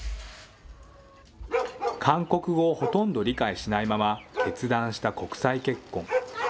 韓国語をほとんど理解しないまま決断した国際結婚。